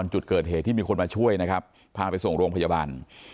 จุดเกิดเหตุที่มีคนมาช่วยนะครับพาไปส่งโรงพยาบาล